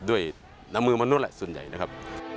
ด้วยน้ำมือมนุษย์แหละส่วนใหญ่นะครับ